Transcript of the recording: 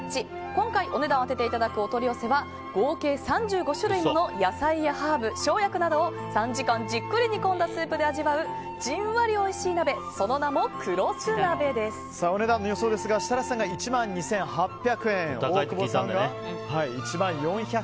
今回お値段を当てていただくお取り寄せは合計３５種類もの野菜やハーブ、生薬などを３時間じっくり煮込んだスープで味わうじんわりおいしい鍋お値段の予想ですが設楽さんが１万２８００円大久保さんが１万４００円。